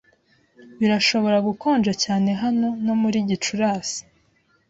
Birashobora gukonja cyane hano no muri Gicurasi.